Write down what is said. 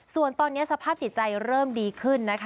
ส่วนตอนนี้สภาพจิตใจเริ่มดีขึ้นนะคะ